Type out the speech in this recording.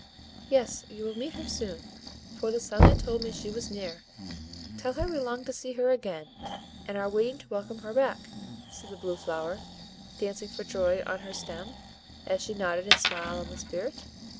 "Yes, you will meet her soon, for the sunlight told me she was near; tell her we long to see her again, and are waiting to welcome her back," said the blue flower, dancing for joy on her stem, as she nodded and smiled on the Spirit.